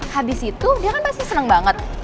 habis itu dia kan pasti senang banget